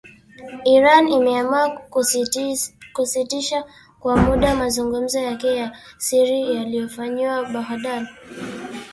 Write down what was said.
Iran imeamua kusitisha kwa muda mazungumzo yake ya siri yaliyofanywa Baghdad.